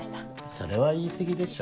それは言い過ぎでしょ。